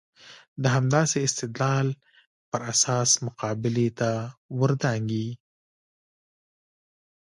د همداسې استدلال پر اساس مقابلې ته ور دانګي.